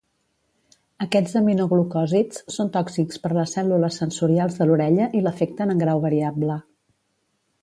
Aquests aminoglucòsids són tòxics per les cèl·lules sensorials de l'orella i l'afecten en grau variable.